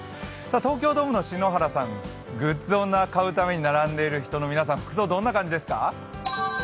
東京ドームの篠原さん、グッズを買うために並んでいる人たちの服装、どんな感じですか？